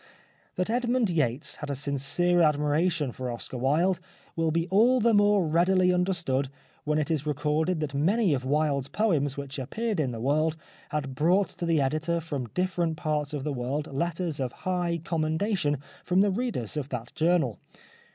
That Edmund Yates had a sincere admiration for Oscar Wilde will be all the more readily understood when it is recorded that many of Wilde's poems which appeared in The World had brought to the editor from different parts of the world letters of high commendation from the readers of that journal.